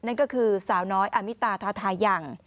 นั่นก็คือสาวน้อยอามิตาทาทายัง